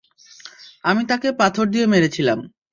আমি তাকে পাথর দিয়ে মেরেছিলাম।